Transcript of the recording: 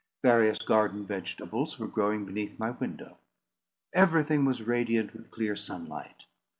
Various garden vegetables were growing beneath my window. Everything was radiant with clear sunlight.